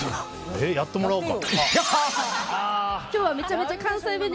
やってもらおうか。